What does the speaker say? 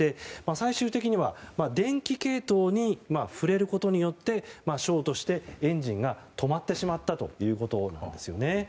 最終的には電気系統に触れることによってショートしてエンジンが止まってしまったということなんです。